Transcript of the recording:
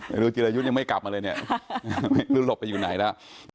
ไม่รู้จิรายุทธ์ยังไม่กลับมาเลยเนี่ยไม่รู้หลบไปอยู่ไหนแล้ว